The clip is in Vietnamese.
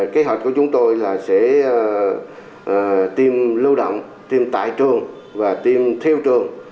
kế hoạch của chúng tôi là sẽ tiêm lưu động tiêm tại trường và tiêm theo trường